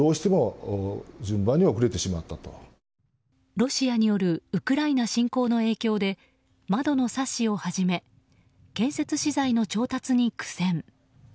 ロシアによるウクライナ侵攻の影響で窓のサッシをはじめ建設資材の調達に苦戦。